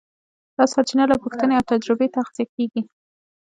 دا سرچینه له پوښتنې او تجربې تغذیه کېږي.